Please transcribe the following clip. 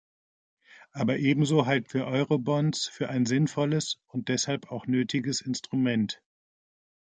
Aber ebenso halten wir Eurobonds für ein sinnvolles und deshalb auch nötiges Instrument.